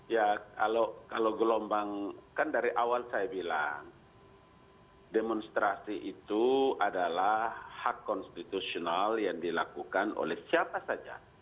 ya kalau gelombang kan dari awal saya bilang demonstrasi itu adalah hak konstitusional yang dilakukan oleh siapa saja